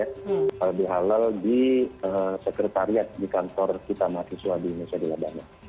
halal bihalal di sekretariat di kantor kita mahasiswa di masjid labahnya